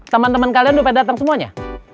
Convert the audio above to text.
teman teman kalian udah pada datang semuanya